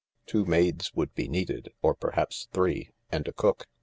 Two maids would be needed^ or perhaps three, and a cook.